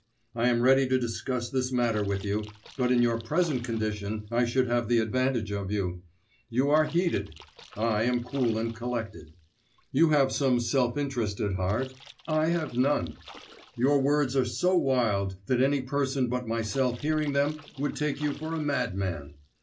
I am ready to discuss this matter with you, but in your present condition I should have the advantage of you. You are heated; I am cool and collected. You have some self interest at heart; I have none. Your words are so wild that any person but myself hearing them would take you for a madman.